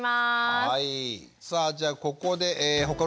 はい。